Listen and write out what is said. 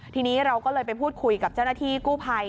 ทีนี้เราก็เลยไปพูดคุยกับเจ้าหน้าที่กู้ภัย